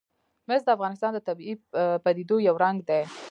مس د افغانستان د طبیعي پدیدو یو رنګ دی.